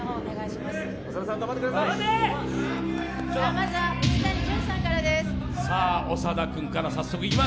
まずは水谷隼さんからです。